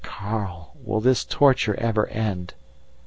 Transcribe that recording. Karl! will this torture ever end?